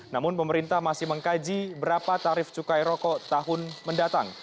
namun pemerintah masih mengkaji berapa tarif cukai rokok tahun mendatang